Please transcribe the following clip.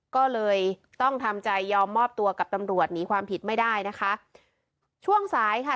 ก็เลยต้องทำใจยอมมอบตัวกับตำรวจหนีความผิดไม่ได้นะคะช่วงสายค่ะ